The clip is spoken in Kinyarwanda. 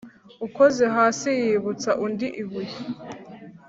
Ukoze hasi yibutsa undi ibuye.